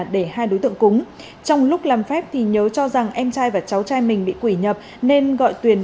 để hai đối tượng cúng trong lúc làm phép thì nhớ cho rằng em trai và cháu trai mình bị quỷ nhập nên gọi tuyền